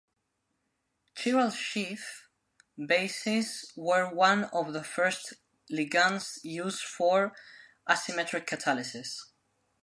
Chiral Schiff bases were one of the first ligands used for asymmetric catalysis.